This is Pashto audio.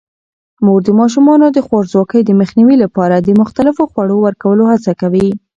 مور د ماشومانو د خوارځواکۍ د مخنیوي لپاره د مختلفو خوړو ورکولو هڅه کوي.